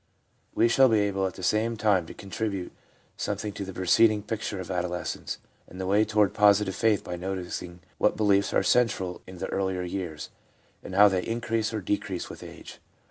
We shall be able at the same time to contribute something to the preceding picture of adol escence, and the way toward positive faith by noticing what beliefs are central in the earlier years, and how they increase or decrease with age.